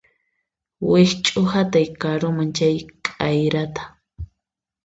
Wikch'uhatay karuman chay k'ayrata